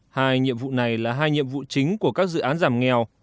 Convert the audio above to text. hai nhiệm vụ này là hai nhiệm vụ chính của các dự án giảm nghèo